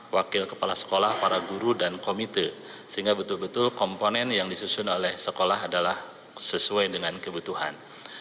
wakil kepala sekolah para guru dan komite sehingga betul betul komponen yang disusun oleh sekolah adalah sesuai dengan kebutuhan